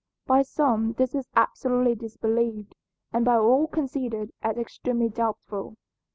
By some this is absolutely disbelieved, and by all considered as extremely doubtful.